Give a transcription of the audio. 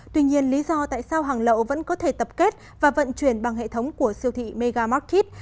tuy nhiên lý do tại sao hàng lậu vẫn có thể tập kết và vận chuyển bằng hệ thống của siêu thị megamarket